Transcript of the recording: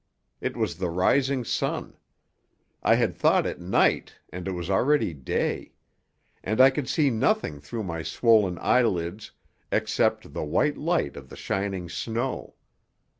It was the rising sun. I had thought it night, and it was already day. And I could see nothing through my swollen eyelids except the white light of the shining snow.